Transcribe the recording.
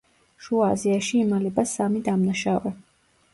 შუა აზიაში იმალება სამი დამნაშავე.